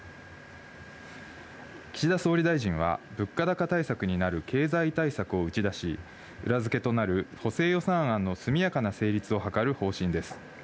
岸田総理大臣は物価高対策になる経済対策を打ち出し、裏付けとなる補正予算案の速やかな成立を図る方針です。